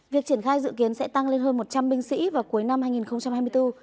việc triển khai dự kiến sẽ tăng lên hơn một trăm linh binh sĩ vào cuối năm hai nghìn hai mươi bốn